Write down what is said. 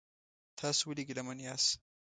تاسو ولې ګیلمن یاست؟